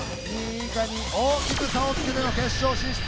２位以下に大きく差をつけての決勝進出。